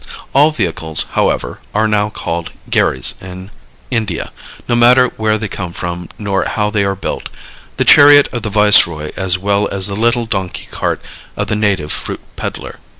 All vehicles, however, are now called "gherrys" in India, no matter where they come from nor how they are built the chariot of the viceroy as well as the little donkey cart of the native fruit peddler.